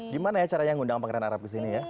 gimana ya caranya ngundang pangeran arab kesini ya